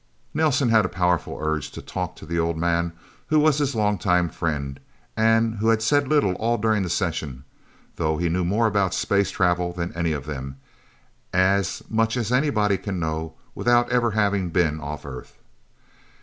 Nelsen had a powerful urge to talk to the old man who was his long time friend, and who had said little all during the session, though he knew more about space travel than any of them as much as anybody can know without ever having been off the Earth.